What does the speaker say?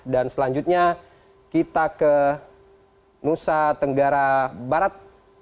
dan selanjutnya kita ke nusa tenggara barat